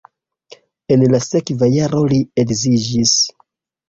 En la sekva jaro li edziĝis.